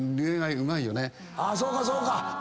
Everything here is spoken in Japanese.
そうかそうか。